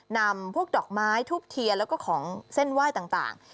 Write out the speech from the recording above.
นำพวกดอกไม้ทูบเทียนแล้วก็ของเส้นไหว้ต่าง